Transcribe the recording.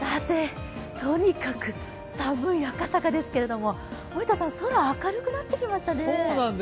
とにかく寒い赤坂ですけれども、森田さん、空明るくなってきましたね。